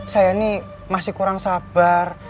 saya ini masih kurang sabar